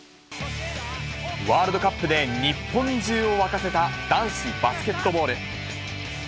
ワールドカップで日本中を沸かせた男子バスケットボール。